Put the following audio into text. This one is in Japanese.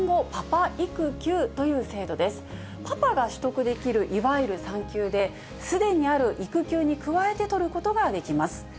パパが取得できる、いわゆる産休で、すでにある育休に加えて取ることができます。